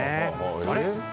あれ？